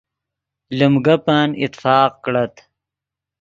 لیم گپن اتفاق کڑت